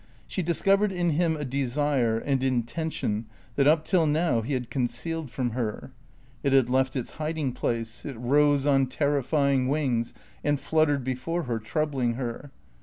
She discovered in him a desire, an intention that up till now he had concealed from her. It had left its hiding place; it rose on terrifying wings and fluttered before her, troubling her.